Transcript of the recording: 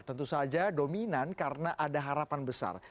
tentu saja dominan karena ada harapan besar